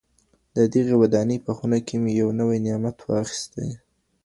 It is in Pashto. د دغي ودانۍ په خونه کي مي یو نوی نعمت واخیستی.